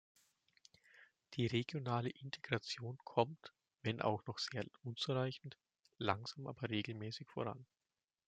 Die regionale Integration kommt, wenn auch noch sehr unzureichend, langsam aber regelmäßig voran.